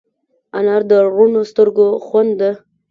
انا د روڼو سترګو خاوند ده